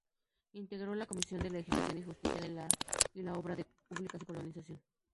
Integró la Comisión de Legislación y Justicia y la de Obras Públicas y Colonización.